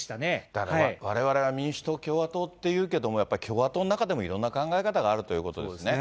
だからわれわれが民主党、共和党っていうけども、やっぱ共和党の中でもいろんな考え方があるということですね。